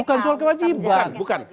bukan soal kewajiban